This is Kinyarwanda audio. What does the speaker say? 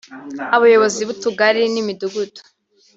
Abayobozi b’utugari n’imidugudu